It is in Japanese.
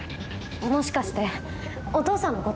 もしかしてお父さんのこと？